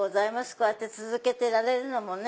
こうやって続けてられるのもね